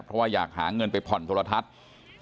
เพราะว่าอยากหาเงินไปผ่อนโทรทัศน์